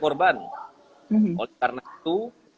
korban oleh karena itu